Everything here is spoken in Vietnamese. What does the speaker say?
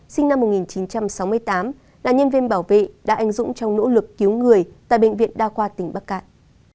sinh năm một nghìn chín trăm sáu mươi tám là nhân viên bảo vệ đã anh dũng trong nỗ lực cứu người tại bệnh viện đa khoa tỉnh bắc cạn